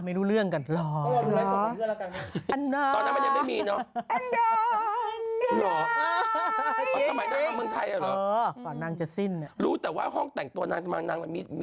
เมืองไทยก็ให้วอร์ม